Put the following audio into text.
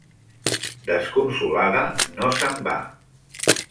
Desconsolada, no se'n va.